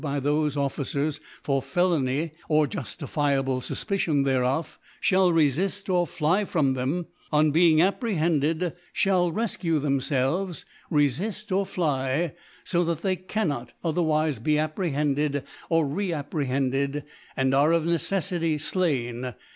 by thefe Officers for Felony, or JtiftifiableSuf r picion thereof, fhall refill or fly from them 5 or being apprehended (hall refcue. them felves, refift, or fly ; fo that they cannot etherwife be apprehended or re apprehend ed, and are of Necejfuy flain